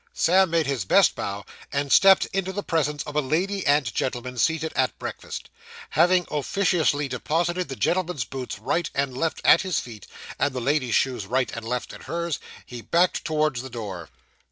Sam made his best bow, and stepped into the presence of a lady and gentleman seated at breakfast. Having officiously deposited the gentleman's boots right and left at his feet, and the lady's shoes right and left at hers, he backed towards the door.